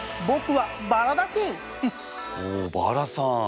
おおバラさん。